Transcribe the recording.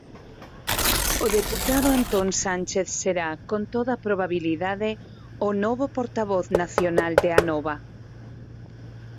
O deputado Antón Sánchez será, con toda probabilidade, o novo portavoz nacional de Anova.